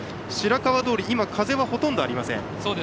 白川通は今、風はほとんどありません。